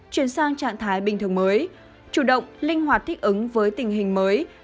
chuyển sang trạng thái bình thường mới chủ động linh hoạt thích ứng với tình hình mới